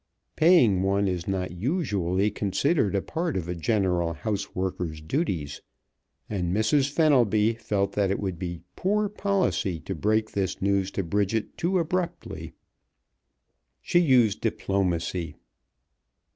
Paying one is not usually considered a part of a general house worker's duties, and Mrs. Fenelby felt that it would be poor policy to break this news to Bridget too abruptly. She used diplomacy.